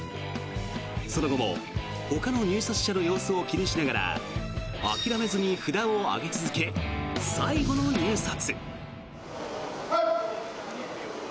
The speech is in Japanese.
その後も、ほかの入札者の様子を気にしながら諦めずに札を上げ続け最後の入札。